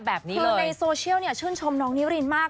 คือในโซเชียลชื่นชมน้องนิรินมาก